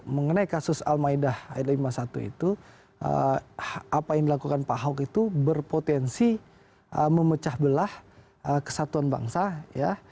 mengenai kasus al maidah ayat lima puluh satu itu apa yang dilakukan pak ahok itu berpotensi memecah belah kesatuan bangsa ya